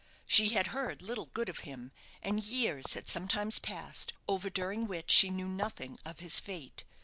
She had heard little good of him, and years had sometimes passed over during which she knew nothing of his fate.